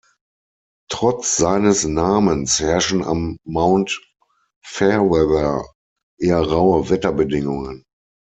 Trotz seines Namens herrschen am Mount Fairweather eher raue Wetterbedingungen.